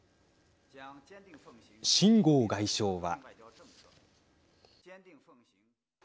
秦剛外相は。